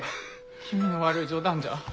気味の悪い冗談じゃ。